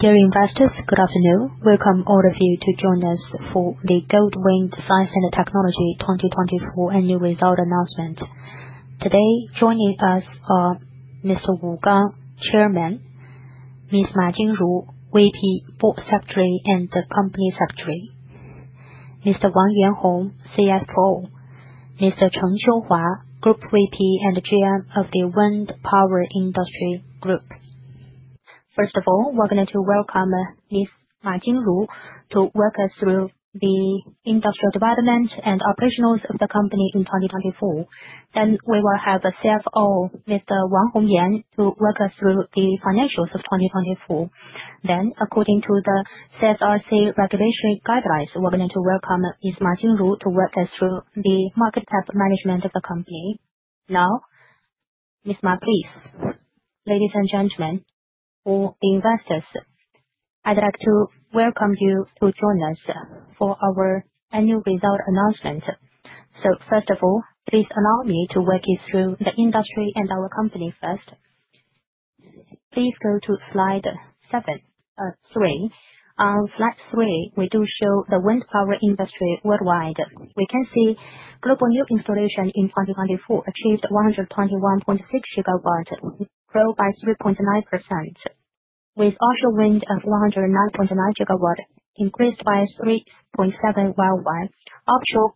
Dear investors, good afternoon. Welcome all of you to join us for the Goldwind Science & Technology 2024 annual result announcement. Today, joining us are Mr. Wu Gang, Chairman; Ms. Ma Jinru, VP Board Secretary and Company Secretary; Mr. Wang Hongyan, CFO; and Mr. Chen Qiuhua, Group VP and GM of the Wind Power Industry Group. First of all, we're going to welcome Ms. Ma Jinru to work through the industrial development and operations of the company in 2024. Then we will have CFO Mr. Wang Hongyan to work through the financials of 2024. Then, according to the CSRC regulation guidelines, we're going to welcome Ms. Ma Jinru to work through the market cap management of the company. Now, Ms. Ma, please. Ladies and gentlemen, all the investors, I'd like to welcome you to join us for our annual results announcement. First of all, please allow me to walk you through the industry and our company first. Please go to slide 3. On slide 3, we do show the wind power industry worldwide. We can see global new installations in 2024 achieved 121.6 GW, growth by 3.9%, with onshore wind of 109.9 GW increased by 3.7%, while offshore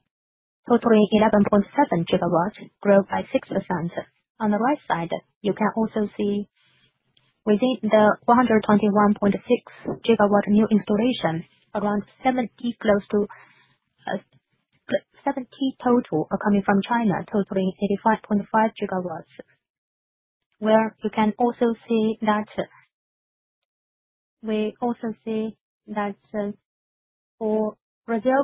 totaled 11.7 GW, growth by 6%. On the right side, you can also see within the 121.6 GW new installation, around 70, close to 70 total, are coming from China, totaling 85.5 GW. You can also see that Brazil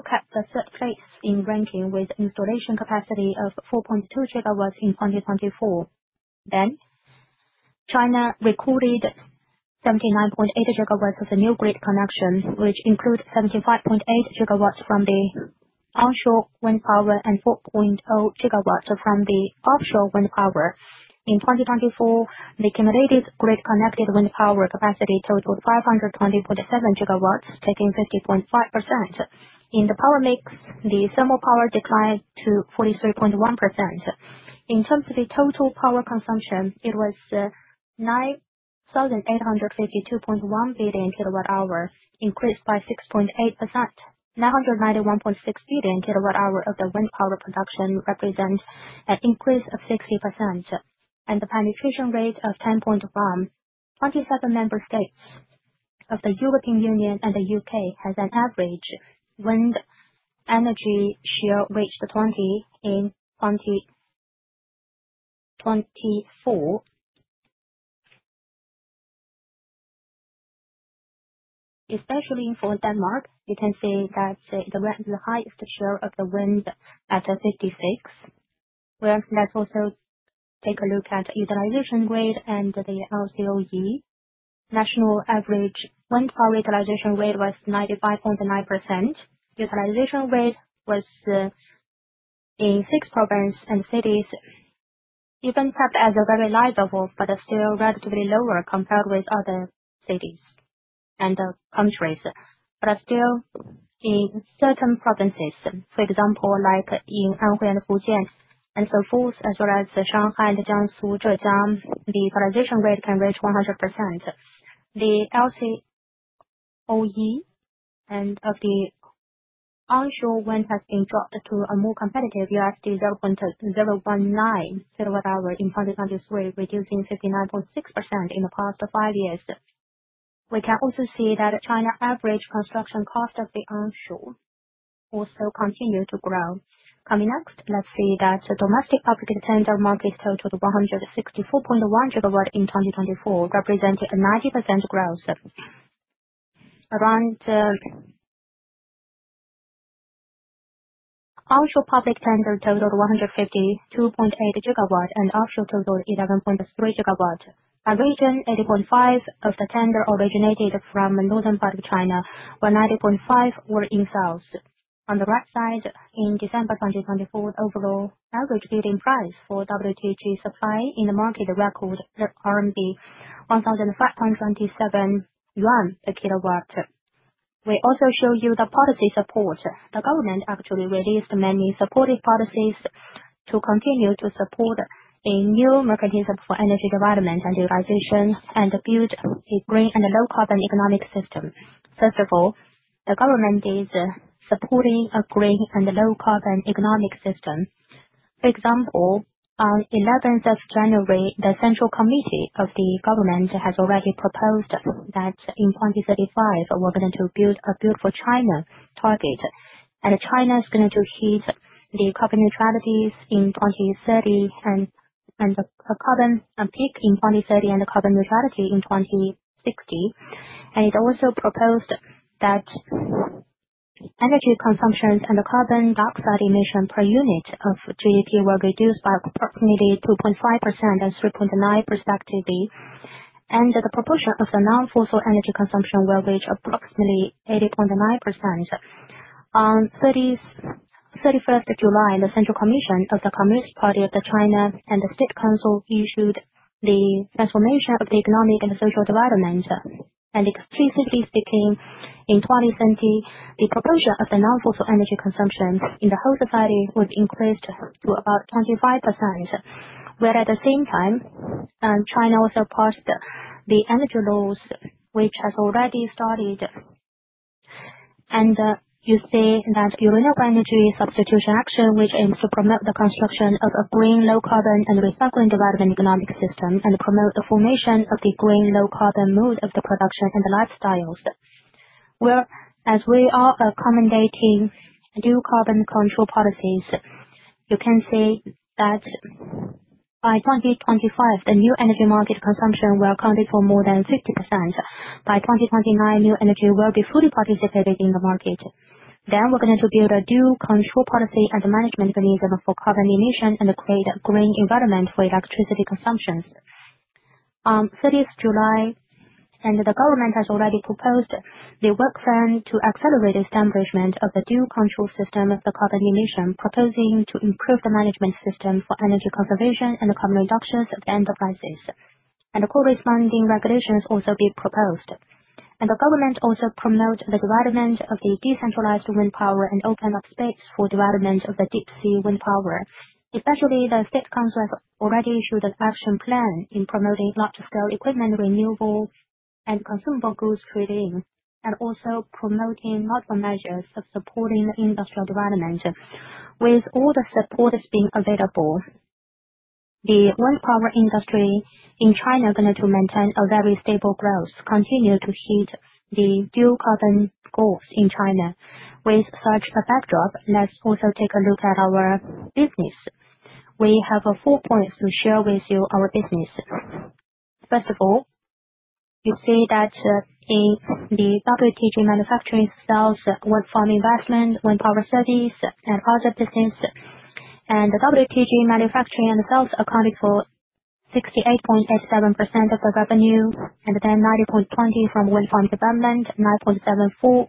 capped the third place in ranking with installation capacity of 4.2 GW in 2024. China recorded 79.8 GW of new grid connections, which include 75.8 GW from the onshore wind power and 4.0 GW from the offshore wind power. In 2024, the accumulated grid-connected wind power capacity totaled 520.7 GW, taking 50.5%. In the power mix, the thermal power declined to 43.1%. In terms of the total power consumption, it was 9,852.1 billion kilowatt-hours, increased by 6.8%. 991.6 billion kilowatt-hours of the wind power production represent an increase of 60% and the penetration rate of 10.1%. Twenty-seven member states of the European Union and the U.K. has an average wind energy share reached 20% in 2024. Especially for Denmark, you can see that the highest share of the wind at 56%. Where let's also take a look at utilization rate and the LCOE. The national average wind power utilization rate was 95.9%. Utilization rate was in six provinces and cities, even kept at a very low level, but still relatively lower compared with other cities and countries, but still in certain provinces. For example, like in Anhui and Fujian, and so forth, as well as Shanghai, Jiangsu, and Zhejiang, the utilization rate can reach 100%. The LCOE of the onshore wind has been dropped to a more competitive $0.019 per kilowatt-hour in 2023, reducing 59.6% in the past five years. We can also see that China's average construction cost of the onshore also continued to grow. Coming next, let's see that domestic public tender market totaled 164.1 GW in 2024, representing a 90% growth. The onshore public tender totaled 152.8 GW, and the offshore totaled 11.3 GW. A region, 80.5% of the tenders originated from the northern part of China, while 90.5% were in south. On the right side, in December 2024, the overall average building price for WTG supply in the market recorded 1,527 yuan per kilowatt. We also show you the policy support. The government actually released many supportive policies to continue to support a new mechanism for energy development and utilization and build a green and low-carbon economic system. First of all, the government is supporting a green and low-carbon economic system. For example, on January 11th, the Central Committee of the government has already proposed that in 2035, we're going to build a Beautiful China target, and China is going to hit the carbon neutrality in 2030 and a carbon peak in 2030 and a carbon neutrality in 2060. It also proposed that energy consumption and the carbon dioxide emission per unit of GDP were reduced by approximately 2.5% and 3.9%, respectively, and the proportion of non-fossil energy consumption will reach approximately 80.9%. On July 31st, the Central Commission of the Communist Party of China and the State Council issued the transformation of the economic and social development, and exclusively speaking, in 2030, the proportion of the non-fossil energy consumption in the whole society would increase to about 25%. Where at the same time, China also passed the energy laws, which has already started, and you see that the renewable energy substitution action, which aims to promote the construction of a green, low-carbon and recycling development economic system, and promote the formation of the green, low-carbon mode of production and lifestyles. Whereas we are accommodating new carbon control policies, you can see that by 2025, the new energy market consumption will account for more than 50%. By 2029, new energy will be fully participated in the market. We are going to build a dual control policy and management mechanism for carbon emissions and create a green environment for electricity consumption. On July 30, the government has already proposed the work plan to accelerate the establishment of the dual control system for carbon emission, proposing to improve the management system for energy conservation and the carbon reduction of the enterprises, and the corresponding regulations also be proposed. The government also promotes the development of decentralized wind power and opens up space for the development of the deep sea wind power. Especially, the State Council has already issued an action plan in promoting large-scale equipment renewal and consumer goods trade-in, and also promoting multiple measures of supporting industrial development. With all the support being available, the wind power industry in China is going to maintain a very stable growth and continue to hit the dual carbon goals in China. With such a backdrop, let's also take a look at our business. We have four points to share with you our business. First of all, you see that in the WTG manufacturing sells wind farm investment, wind power service, and other businesses. The WTG manufacturing and sales accounted for 68.87% of the revenue, and then 90.20% from wind farm development, 9.74%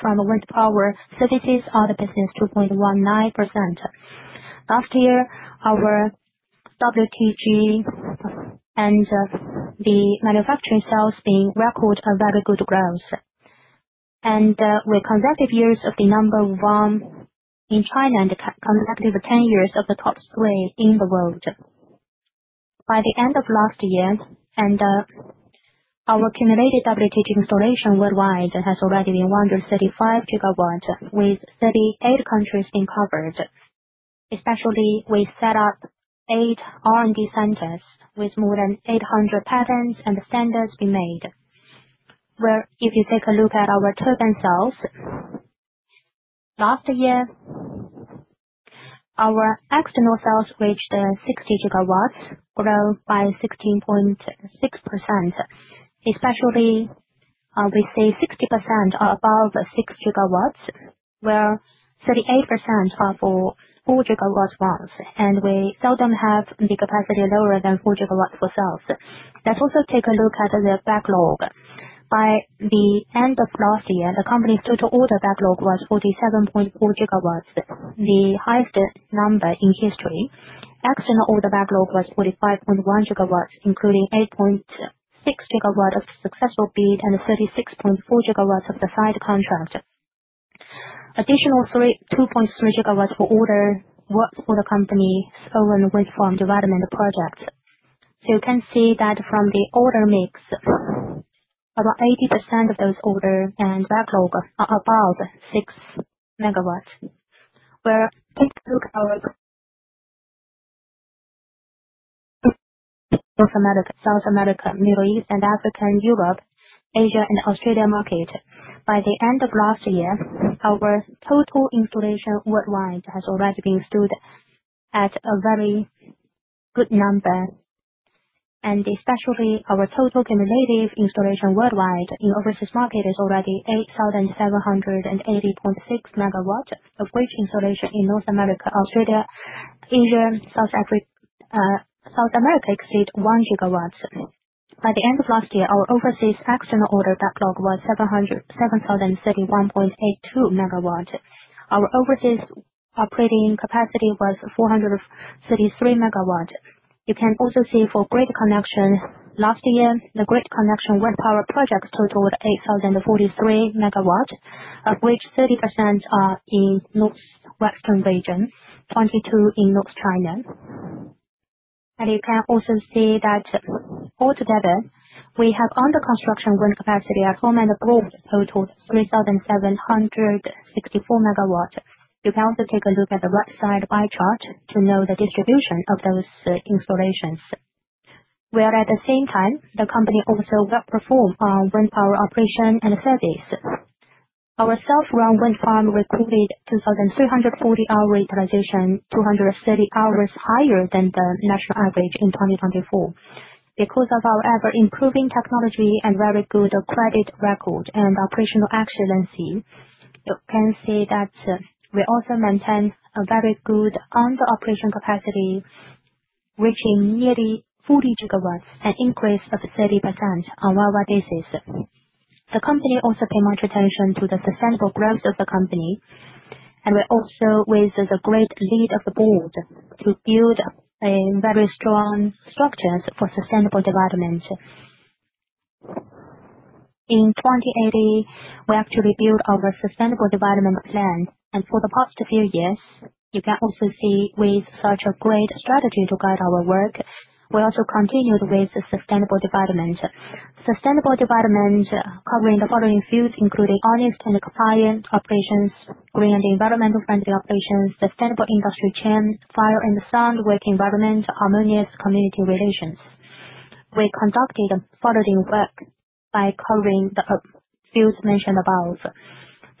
from wind power services, other business 2.19%. Last year, our WTG and the manufacturing sales being record a very good growth. We're consecutive years of the number one in China and consecutive 10 years of the top three in the world. By the end of last year, our accumulated WTG installation worldwide has already been 135 GW with 38 countries covered. Especially, we set up eight R&D centers with more than 800 patents and standards being made. Where if you take a look at our turbine sales, last year, our external sales reached 60 GW, a growth by 16.6%. Especially, we see 60% are above 6 GW, where 38% are for 4 GW runs, and we seldom have the capacity lower than 4 GW for sales. Let's also take a look at the backlog. By the end of last year, the company's total order backlog was 47.4 GW, the highest number in history. External order backlog was 45.1 GW, including 8.6 GW of successful bid and 36.4 GW of the side contract. An additiona, 2.3 GW were ordered for the company's own wind farm development projects. You can see that from the order mix, about 80% of those orders and backlog are above 6 MW. Where take a look at our North America, South America, Middle East, and Africa, Europe, Asia, and Australia markets. By the end of last year, our total installations worldwide has already been stood at a very good number. Especially, our total cumulative installation worldwide in overseas markets is already 8,780.6 MW, of which installations in North America, Australia, Asia, and South America exceed 1 GW. By the end of last year, our overseas external order backlog was 7,031.82 MW. Our overseas operating capacity was 433 MW. You can also see for grid connection, last year, the grid connection wind power project totaled 8,043 MW, of which 30% are in the northwestern region, 22% in North China. You can also see that altogether, we have under construction wind capacity at home and abroad totaled 3,764 MW. You can also take a look at the right side pie chart to know the distribution of those installations. At the same time, the company also well performed on wind power operation and service. Our self-run wind farm recorded 2,340 hours utilization, 230 hours higher than the national average in 2024. Because of our ever-improving technology and very good credit record and operational excellency, you can see that we also maintain a very good under operation capacity, reaching nearly 40 GW, an increase of 30% on one-one basis. The company also pay much attention to the sustainable growth of the company. We also with the great lead of the board to build a very strong structures for sustainable development. In 2018, we actually built our sustainable development plan. For the past few years, you can also see with such a great strategy to guide our work, we also continued with sustainable development. Sustainable development covering the following fields, including honest and compliant operations, green and environmental friendly operations, sustainable industry chain, fire and sound, work environment, harmonious community relations. We conducted furthering work by covering the fields mentioned above.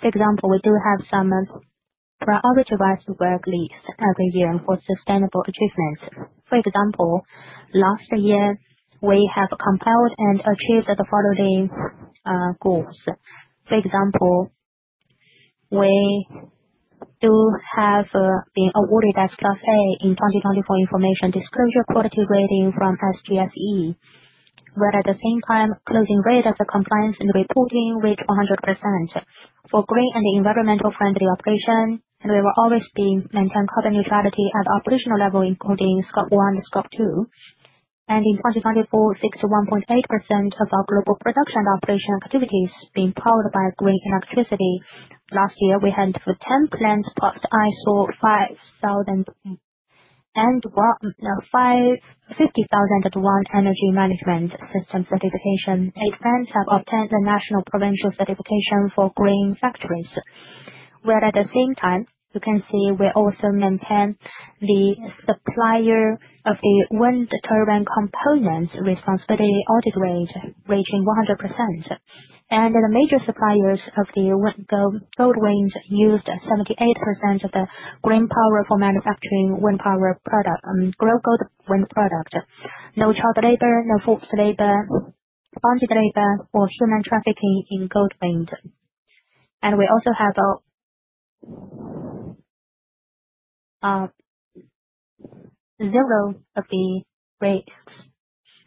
For example, we do have some priority-wise work list every year for sustainable achievements. For example, last year, we have compiled and achieved the following goals. For example, we do have been awarded as Class A in 2024 information disclosure quality rating from SZSE. At the same time, closing rate of the compliance and reporting reached 100% for green and environmental friendly operation. We will always be maintaining carbon neutrality at operational level, including Scope 1, Scope 2. In 2024, 61.8% of our global production operation activities are being powered by green electricity. Last year, we had 10 plants pass ISO 50001 energy management system certification. Eight plants have obtained the national provincial certification for green factories. At the same time, you can see we also maintain the supplier of the wind turbine components responsibility audit rate reaching 100%. The major suppliers of Goldwind used 78% of green power for manufacturing wind power product, Goldwind product. No child labor, no forced labor, bonded labor, or human trafficking in Goldwind. We also have zero of the risks.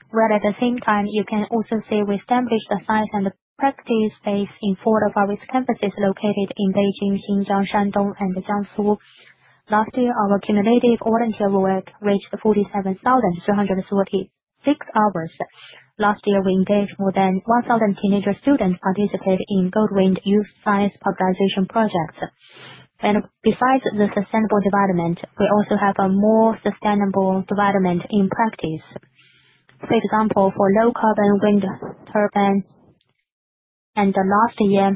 At the same time, you can also see we established a science and practice base in four of our campuses located in Beijing, Xinjiang, Shandong, and Jiangsu. Last year, our cumulative volunteer work reached 47,346 hours. Last year, we engaged more than 1,000 teenage students to participate in Goldwind youth science popularization projects. Besides the sustainable development, we also have a more sustainable development in practice. For example, for low carbon wind turbine, last year,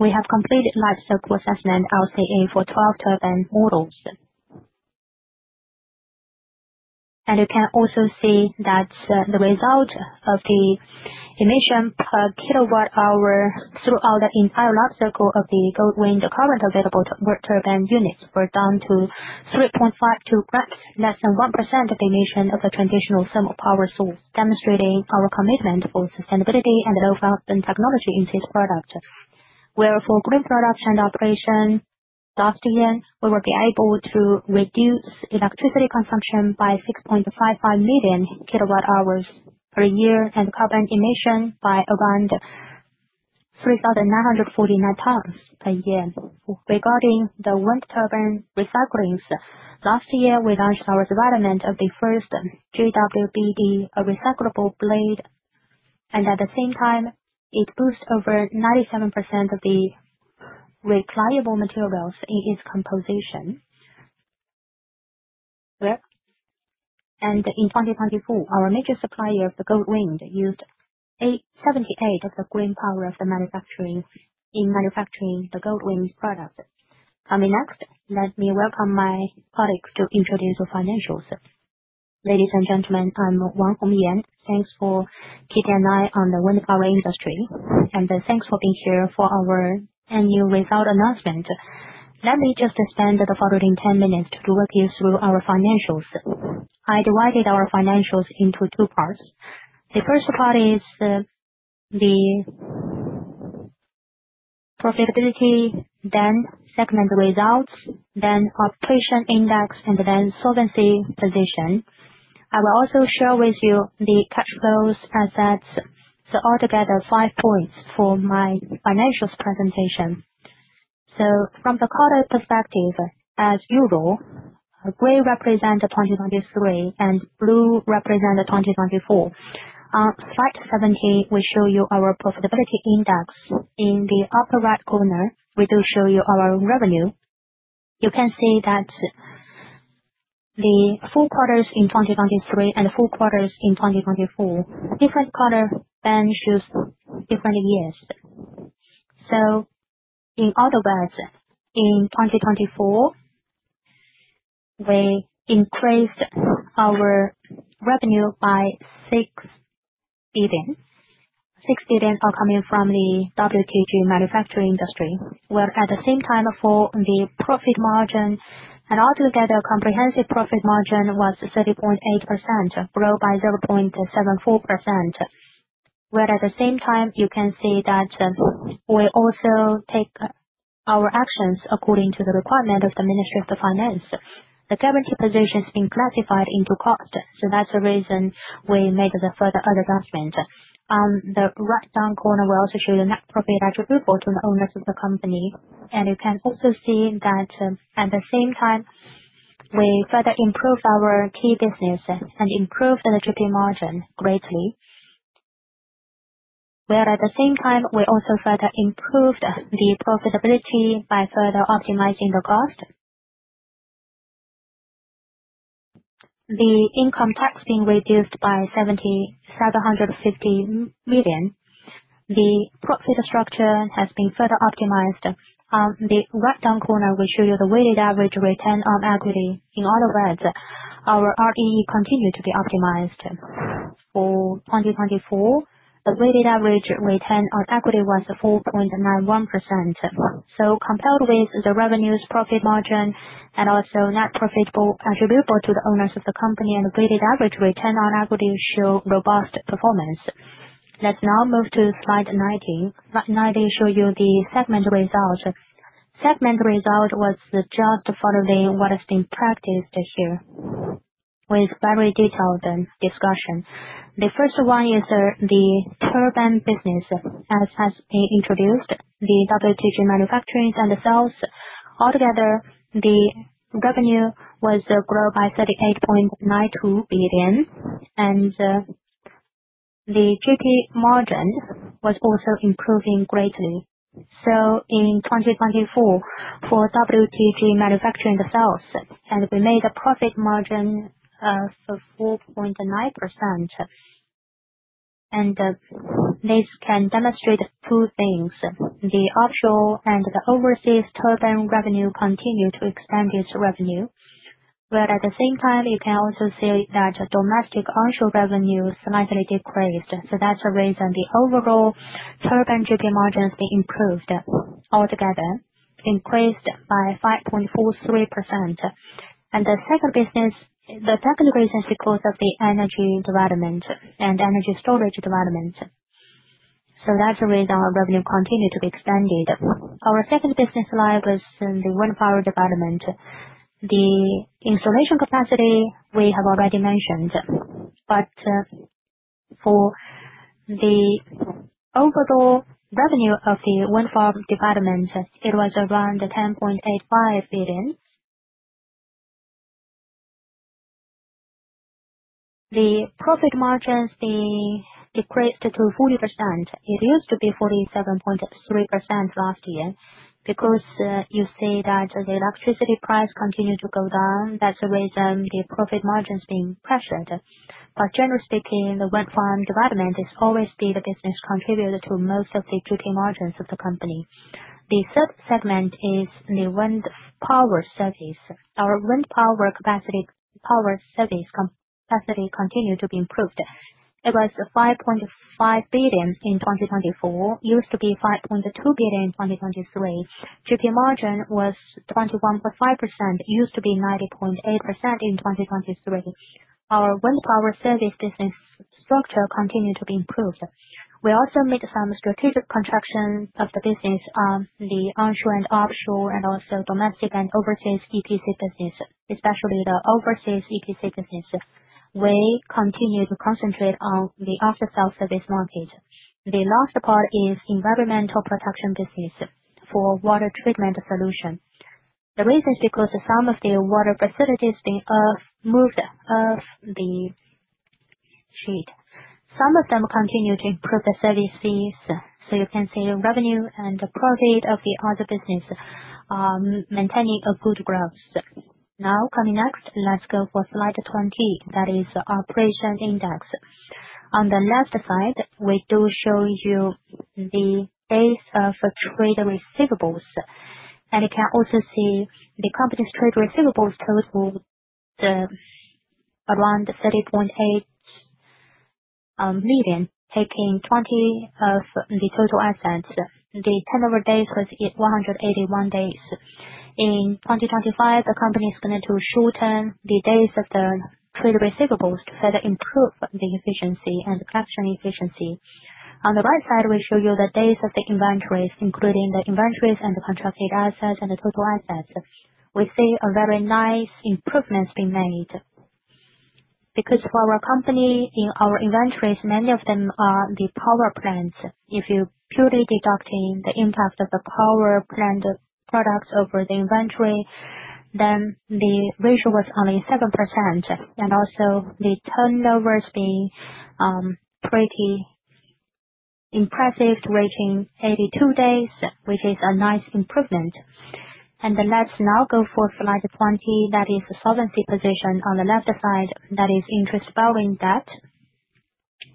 we have completed a life cycle assessment LCA for 12 turbine models. You can also see that the result of the emission per kilowatt hour throughout the entire life cycle of the Goldwind current available turbine units were down to 3.52 grams, less than 1% of the emission of a traditional thermal power source, demonstrating our commitment for sustainability and low carbon technology in these products. Where for green production operation, last year, we will be able to reduce electricity consumption by 6.55 million kWh per year and carbon emissions by around 3,949 tons per year. Regarding the wind turbine recycling, last year, we launched our development of the first GWBD-A recyclable blade. At the same time, it boasts over 97% of the recyclable materials in its composition. In 2024, our major supplier of Goldwind, used 78% of the green power in manufacturing the Goldwind product. Coming next, let me welcome my colleagues to introduce the financials. Ladies and gentlemen, I'm Wang Hongyan. Thanks for keeping an eye on the wind power industry. Thanks for being here for our annual result announcement. Let me just spend the following 10 minutes to walk you through our financials. I divided our financials into two parts. The first part is the profitability, then segment results, then operation index, and the solvency position. I will also share with you the cash flows, assets, so altogether five points for my financials presentation. From the color perspective, as Euro, gray represents 2023, and blue represents 2024. Slide 70, we show you our profitability index. In the upper right corner, we do show you our revenue. You can see that the full quarters in 2023 and the full-quarters in 2024, different color bands show different years. In other words, in 2024, we increased our revenue by 6 billion. 6 billion are coming from the WTG manufacturing industry. At the same time, for the profit margin, an altogether comprehensive profit margin was 30.8%, growth by 0.74%. At the same time, you can see that we also take our actions according to the requirement of the Ministry of Finance. The guarantee position has been classified into cost. That is the reason we made the further adjustment. On the right down corner, we also show the net profit attributable to the owners of the company. You can also see that at the same time, we further improved our key business and improved the GP margin greatly. At the same time, we also further improved the profitability by further optimizing the cost. The income tax being reduced by 750 million. The profit structure has been further optimized. On the right down corner, we show you the weighted average return on equity. In other words, our ROE continued to be optimized. For 2024, the weighted average return on equity was 4.91%. Compared with the revenues, profit margin, and also net profit attributable to the owners of the company, and the weighted average return on equity shows robust performance. Let's now move to slide 90. Slide 90 shows you the segment result. Segment result was just following what has been practiced here with very detailed discussion. The first one is the turbine business, as has been introduced, the WTG manufacturing and the sales. Altogether, the revenue was growth by 38.92 billion. The GP margin was also improving greatly. In 2024, for WTG manufacturing the sales, and we made a profit margin of 4.9%. This can demonstrate two things. The offshore and the overseas turbine revenue continue to expand its revenue. At the same time, you can also see that domestic onshore revenue slightly decreased. That is the reason the overall turbine GP margin has been improved altogether, increased by 5.43%. The second business, the second business is because of the energy development and energy storage development. That is the reason our revenue continued to be expanded. Our second business line was the wind power development. The installation capacity we have already mentioned. For the overall revenue of the wind farm development, it was 10.85 billion. The profit margin decreased to 40%. It used to be 47.3% last year. You see that the electricity price continued to go down, that's the reason the profit margin has been pressured. Generally speaking, the wind farm development has always been a business contributor to most of the GP margins of the company. The third segment is the wind power service. Our wind power capacity continued to be improved. It was 5.5 billion in 2024, used to be 5.2 billion in 2023. GP margin was 21.5%, used to be 90.8% in 2023. Our wind power service business structure continued to be improved. We also made some strategic contractions of the business on the onshore and offshore, and also domestic and overseas EPC business, especially the overseas EPC business. We continue to concentrate on the after-sales service market. The last part is environmental protection business for water treatment solution. The reason is because some of the water facilities have been moved off the sheet. Some of them continue to improve the services. You can see revenue and profit of the other business maintaining a good growth. Now, coming next, let's go for slide 20, that is operation index. On the left side, we do show you the base of trade receivables. You can also see the company's trade receivables total around 30.8 million, taking 20% of the total assets. The tenure of days was 181 days. In 2025, the company is going to shorten the days of the trade receivables to further improve the efficiency and production efficiency. On the right side, we show you the days of the inventories, including the inventories and the contracted assets and the total assets. We see a very nice improvement being made. Because for our company, in our inventories, many of them are the power plants. If you purely deduct the impact of the power plant products over the inventory, then the ratio was only 7%. Also, the turnover has been pretty impressive, reaching 82 days, which is a nice improvement. Let's now go for slide 20, that is the solvency position. On the left side, that is interest borrowing debt.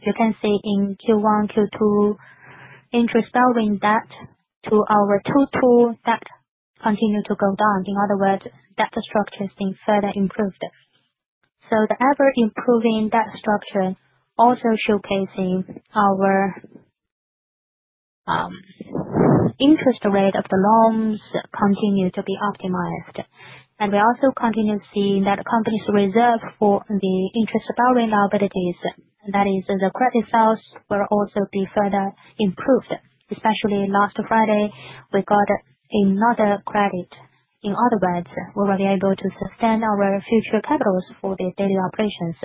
You can see in Q1, Q2, interest borrowing debt to our total debt continued to go down. In other words, the debt structure has been further improved. The ever-improving debt structure also showcases our interest rate of the loans continue to be optimized. We also continue to see that the company's reserve for the interest borrowing liabilities, that is, the credit sales, will also be further improved. Especially last Friday, we got another credit. In other words, we will be able to sustain our future capital for the daily operations.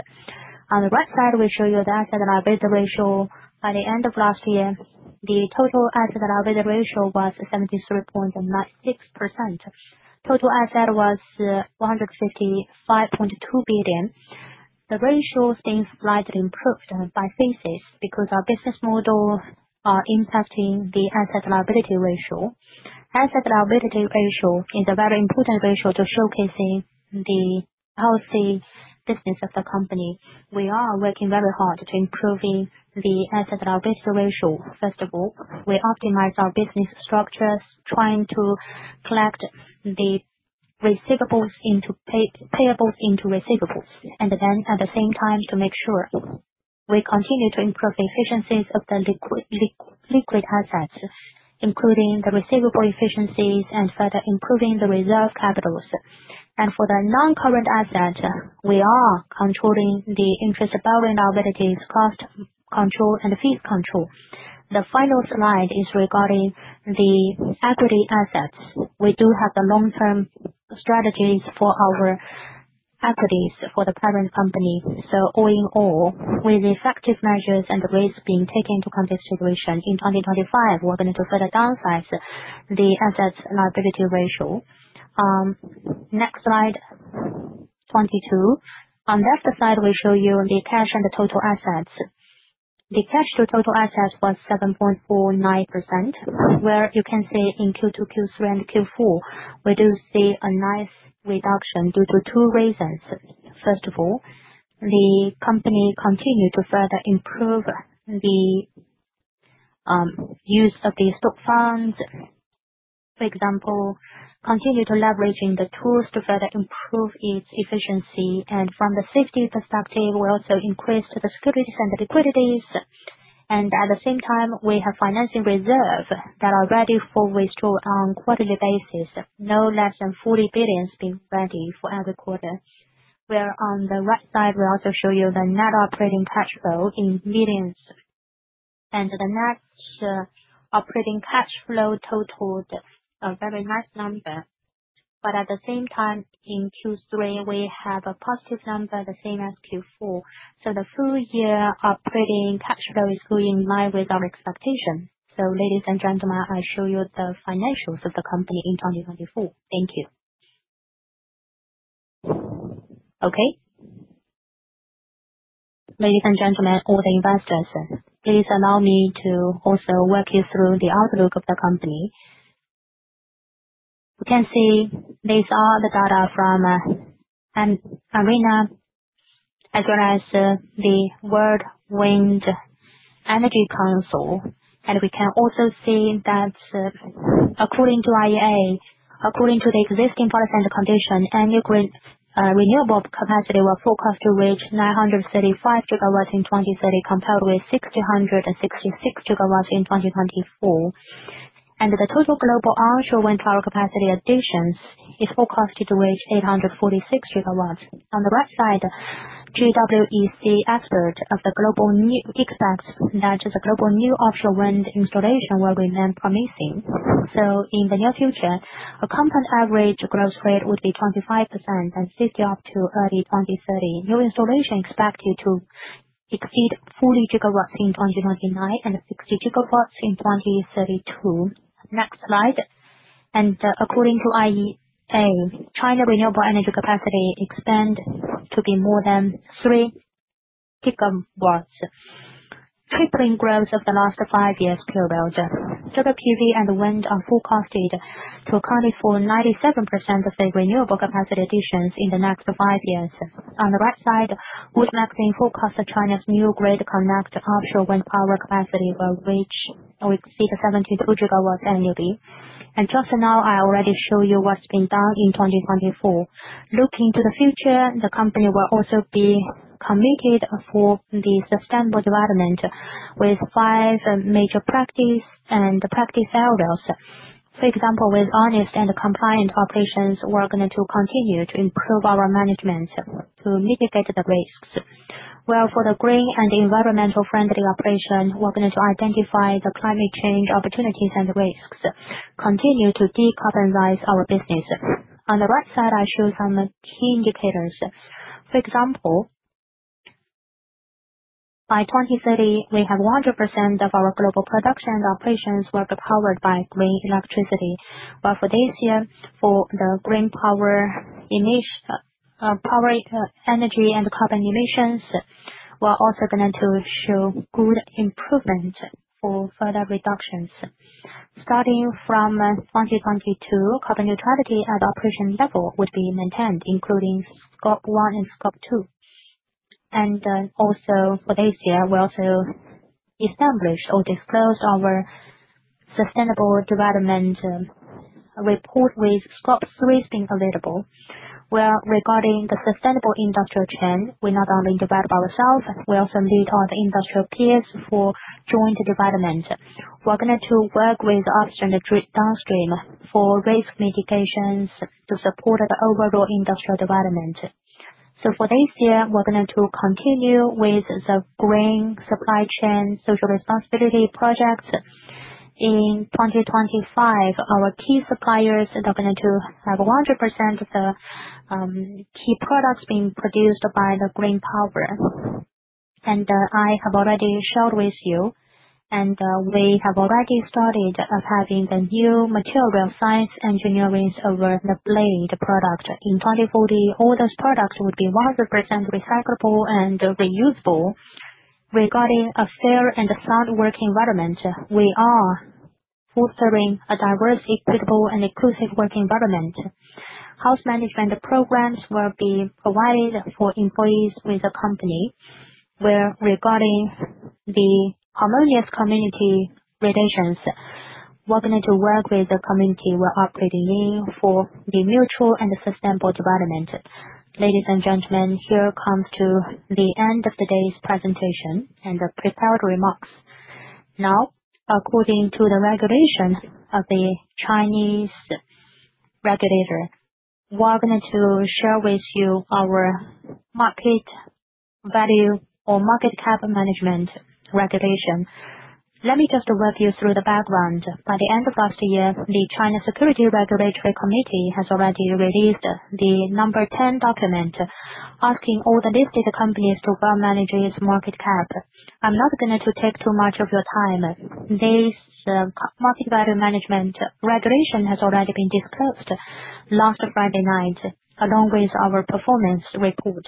On the right side, we show you the asset liability ratio. By the end of last year, the total asset liability ratio was 73.96%. Total asset was 155.2 billion. The ratio has been slightly improved by phases because our business model is impacting the asset liability ratio. Asset liability ratio is a very important ratio to showcase the healthy business of the company. We are working very hard to improve the asset liability ratio. First of all, we optimize our business structures, trying to collect the receivables into payables into receivables. At the same time, to make sure we continue to improve the efficiencies of the liquid assets, including the receivable efficiencies, and further improving the reserve capital. For the non-current asset, we are controlling the interest borrowing liabilities, cost control, and fee control. The final slide is regarding the equity assets. We do have long-term strategies for our equities for the parent company. All in all, with effective measures and the risks being taken to context situation, in 2025, we're going to further downsize the asset liability ratio. Next slide, 22. On the left side, we show you the cash and the total assets. The cash-to-total-assets was 7.49%. Where you can see in Q2, Q3, and Q4, we do see a nice reduction due to two reasons. First of all, the company continued to further improve the use of the stock funds. For example, continued to leverage the tools to further improve its efficiency. From a safety perspective, we also increased the securities and the liquidity. At the same time, we have financing reserves that are ready for withdrawal on a quarterly basis. No less than 40 billion has been ready for every quarter. On the right side, we also show you the net operating cash flow in millions. The net operating cash flow totaled a very nice number. At the same time, in Q3, we have a positive number, the same as Q4. The full-year operating cash flow is going in line with our expectation. Ladies and gentlemen, I show you the financials of the company in 2024. Thank you. Okay. Ladies and gentlemen, all the investors, please allow me to also walk you through the outlook of the company. You can see these are the data from IRENA, as well as the World Wind Energy Council. We can also see that according to IEA, according to the existing policy and condition, annual green renewable capacity will forecast to reach 935 GW in 2030, compared with 666 GW in 2024. The total global onshore wind power capacity additions is forecast to reach 846 GW. On the right side, GWEC expert of the global new expects that the global new offshore wind installation will remain promising. In the near future, a compound average growth rate would be 25% and 50 up to early 2030. New installation expected to exceed 40 GW in 2029 and 60 GW in 2032. Next slide. According to IEA, China's renewable energy capacity expand to be more than 3 GW, tripling growth of the last five years. Period. Solar PV and wind are forecasted to account for 97% of the renewable capacity additions in the next five years. On the right side, Wood Mackenzie's forecast that China's new grid-connected offshore wind power capacity will reach or exceed 72 GW annually. Just now, I already show you what's been done in 2024. Looking to the future, the company will also be committed for the sustainable development with five major practices and practice areas. For example, with honest and compliant operations, we're going to continue to improve our management to mitigate the risks. Where for the green and environmental-friendly operation, we're going to identify the climate change opportunities and risks, continue to decarbonize our business. On the right side, I show some key indicators. For example, by 2030, we have 100% of our global production and operations will be powered by green electricity. Where for this year, for the green power energy and carbon emissions, we're also going to show good improvement for further reductions. Starting from 2022, carbon neutrality at operation level would be maintained, including Scope 1 and Scope 2. For this year, we also established or disclosed our sustainable development report with Scope 3 being available. Where regarding the sustainable industrial chain, we not only develop ourselves, we also meet all the industrial peers for joint development. We're going to work with upstream and downstream for risk mitigations to support the overall industrial development. For this year, we're going to continue with the green supply chain social responsibility project. In 2025, our key suppliers are going to have 100% of the key products being produced by green power. I have already shared with you, and we have already started having the new material science engineering over the blade product. In 2040, all those products would be 100% recyclable and reusable. Regarding a fair and sound work environment, we are fostering a diverse, equitable, and inclusive work environment. House management programs will be provided for employees with the company. Regarding the harmonious community relations, we're going to work with the community we're operating in for the mutual and sustainable development. Ladies and gentlemen, here comes to the end of today's presentation and the prepared remarks. Now, according to the regulation of the Chinese regulator, we're going to share with you our market value or market cap management regulation. Let me just walk you through the background. By the end of last year, the China Securities Regulatory Committee has already released the number 10 document asking all the listed companies to well manage its market cap. I'm not going to take too much of your time. This market value management regulation has already been disclosed last Friday night, along with our performance report.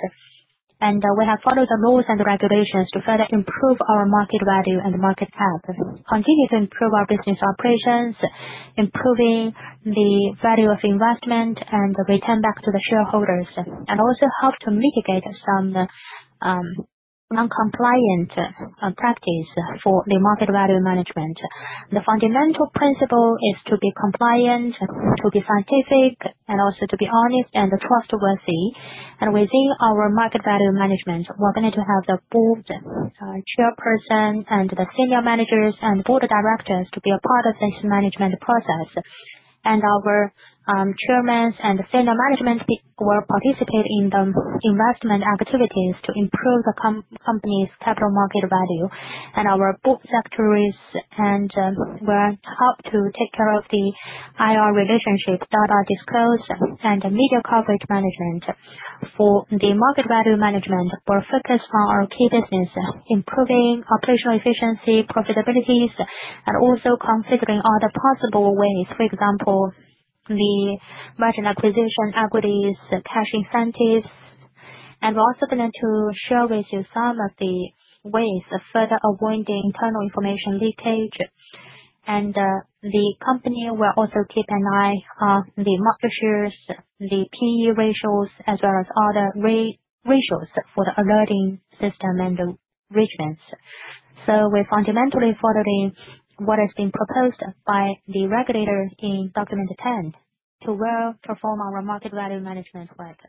We have followed the rules and regulations to further improve our market value and market cap, continue to improve our business operations, improving the value of investment, and return back to the shareholders, and also help to mitigate some non-compliant practice for the market value management. The fundamental principle is to be compliant, to be scientific, and also to be honest and trustworthy. Within our market value management, we are going to have the board chairperson and the senior managers and board of directors be a part of this management process. Our chairmen and senior management will participate in the investment activities to improve the company's capital market value. Our board secretaries will help to take care of the IR relationship, data disclosure, and media coverage management. For the market value management, we are focused on our key business, improving operational efficiency, profitabilities, and also considering all the possible ways. For example, the merchant acquisition, equities, cash incentives. We are also going to share with you some of the ways of further avoiding internal information leakage. The company will also keep an eye on the market shares, the PE ratios, as well as other ratios for the alerting system and the regiments. We fundamentally follow what has been proposed by the regulator in document 10 to well perform our market value management work.